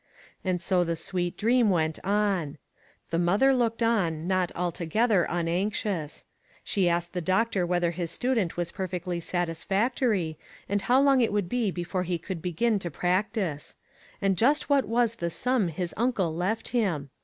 And so the sweet dream went on. The mother looked on, not altogether un anxious. She asked the doctor whether his student was perfectly satisfactorj', and how long it would be before he could begin to practice ; and just what was the sum his uncle left him?